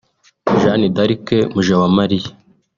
Jeanne d’Arc Mujawamariya